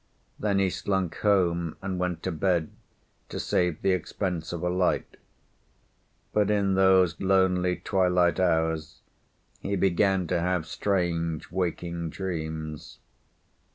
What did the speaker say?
Then he slunk home and went to bed to save the expense of a light. But in those lonely twilight hours he began to have strange waking dreams.